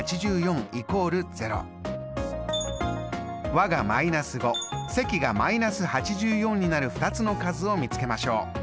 和が−５積が−８４になる２つの数を見つけましょう。